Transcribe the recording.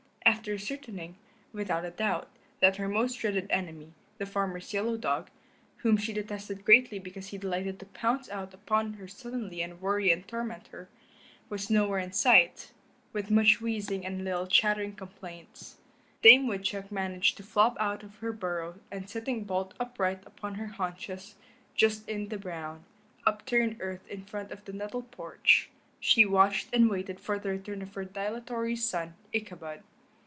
After ascertaining, beyond a doubt, that her most dreaded enemy, the farmer's yellow dog, whom she detested greatly because he delighted to pounce out upon her suddenly and worry and torment her, was nowhere in sight, with much wheezing and little chattering complaints, Dame Woodchuck managed to flop out of her burrow and sitting bolt upright upon her haunches, just in the brown, upturned earth in front of the nettle patch, she watched and waited for the return of her dilatory son, Ichabod.